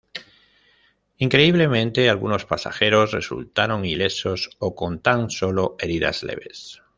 Increíblemente, algunos pasajeros resultaron ilesos o con tan solo heridas leves.